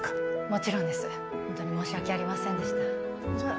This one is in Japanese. もちろんですホントに申し訳ありませんでしたじゃあ